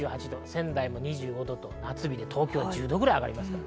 仙台も２５度と夏日で東京は１０度ぐらい上がります。